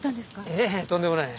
いえとんでもない。